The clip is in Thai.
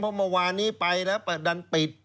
เพราะเมื่อวานนี้ไปแล้วเปิดดันปิด